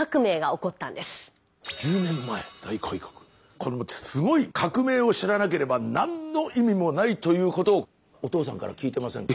このすごい革命を知らなければ何の意味もないということをお父さんから聞いてませんか？